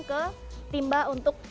ke timba untuk